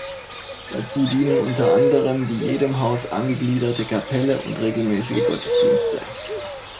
Dazu dienen unter anderem die jedem Haus angegliederte Kapelle und regelmäßige Gottesdienste.